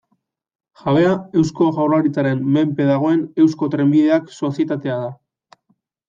Jabea Eusko Jaurlaritzaren menpe dagoen Eusko Trenbideak sozietatea da.